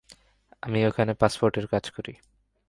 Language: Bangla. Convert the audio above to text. আমি ওখানে পাসপোর্টের কাজ করি।